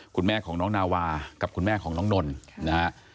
คุณแม่ของน้องนาวากับคุณแม่ของน้องนนท์นะฮะ